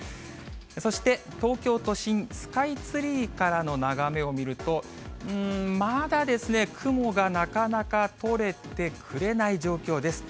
そして、東京都心、スカイツリーからの眺めを見ると、うーん、まだですね、雲がなかなか取れてくれない状況です。